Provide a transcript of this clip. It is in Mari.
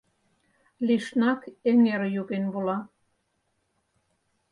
Лишнак эҥер йоген вола.